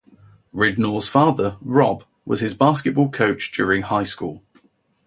Ridnour's father, Rob, was his basketball coach during high school.